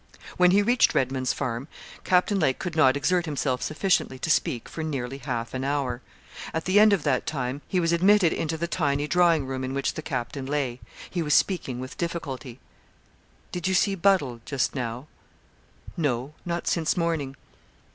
When he reached Redman's Farm, Captain Lake could not exert himself sufficiently to speak for nearly half an hour. At the end of that time he was admitted into the tiny drawing room in which the captain lay. He was speaking with difficulty. 'Did you see Buddle, just now?' 'No, not since morning.'